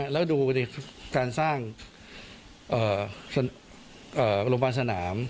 แล้วดูดิการสร้างโรงพยาบาลสนาม